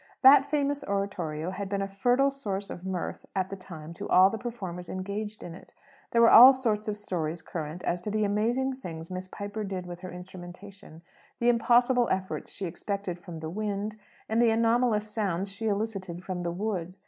That famous oratorio had been a fertile source of mirth at the time to all the performers engaged in it. There were all sorts of stories current as to the amazing things Miss Piper did with her instrumentation: the impossible efforts she expected from the "wind," and the anomalous sounds she elicited from the "wood."